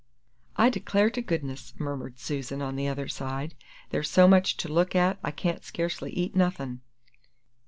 "I declare to goodness," murmured Susan, on the other side, "there's so much to look at I can't scarcely eat nothin!"